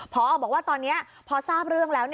พอบอกว่าตอนนี้พอทราบเรื่องแล้ว